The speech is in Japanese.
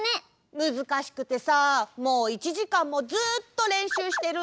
むずかしくてさもう１じかんもずっとれんしゅうしてるんだ！